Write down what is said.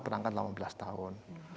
berangkat delapan belas tahun